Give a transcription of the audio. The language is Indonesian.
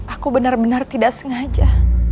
aku benar benar tidak sengaja